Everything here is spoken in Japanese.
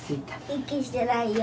息してないよ。